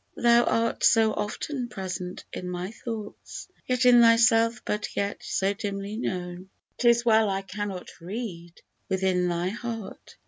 Thou art so often present in my thoughts, Yet in thyself but yet so dimly known, 'Tis well I cannot read within thy heart.